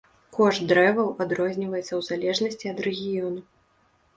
Кошт дрэваў адрозніваецца ў залежнасці ад рэгіёну.